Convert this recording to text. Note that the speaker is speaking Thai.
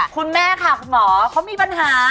คุณแม่ค่ะคุณหมอเขามีปัญหา